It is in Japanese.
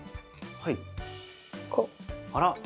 はい。